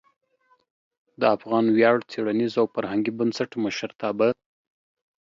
د افغان ویاړ څیړنیز او فرهنګي بنسټ مشرتابه